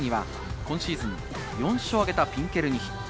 今シーズン４勝を挙げたピンケルニヒ。